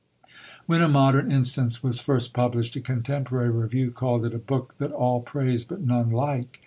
When A Modern Instance was first published, a contemporary review called it "a book that all praise but none like."